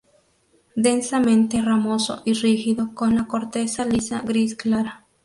Densamente ramoso y rígido con la corteza lisa gris clara.